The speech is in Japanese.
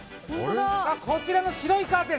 こちらの白いカーテン